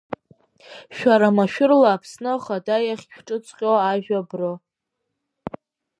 Шәара машәыршәа Аԥсны Ахада иахь ишәҿыҵҟьо ажәа бры…